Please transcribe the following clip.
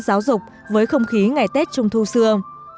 giáo dục với không khí ngày tết trung thu xưa